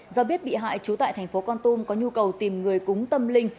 do biết bị hại chú tại tp cn có nhu cầu tìm người cúng tâm linh